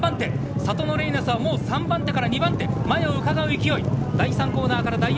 サトノレイナスは３番手から２番手、前をうかがう勢い。